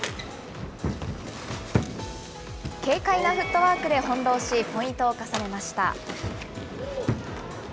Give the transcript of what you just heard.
軽快なフットワークで翻弄し、ポイントを重ねました。